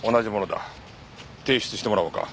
提出してもらおうか。